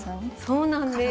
そうなんです。